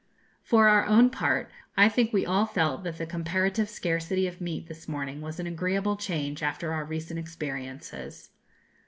For our own part, I think we all felt that the comparative scarcity of meat this morning was an agreeable change, after our recent experiences.